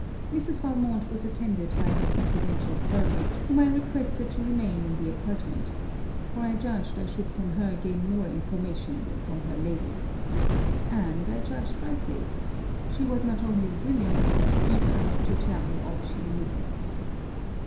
Mrs. Valmont was attended by her confidential servant, whom I requested to remain in the apartment, for I judged I should from her gain more information than from her lady. And I judged rightly. She was not only willing, but eager, to tell me all she knew.